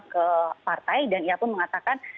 ke partai dan ia pun mengatakan